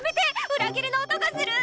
裏切りの音がする！